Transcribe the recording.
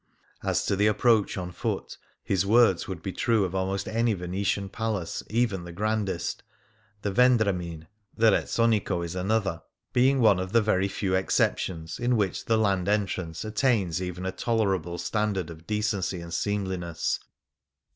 As to the approach on foot, his words would be true of almost any Venetian palace, even the grandest ; the Vendramin* being one of the very few exceptions in which the land entrance attains even a tolerable standard of decency and seemliness.